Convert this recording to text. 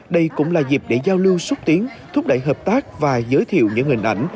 đây cũng là dịp để giao lưu xúc tiến thúc đẩy hợp tác và giới thiệu những hình ảnh